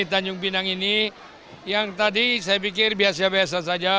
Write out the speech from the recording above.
tanjung pinang ini yang tadi saya pikir biasa biasa saja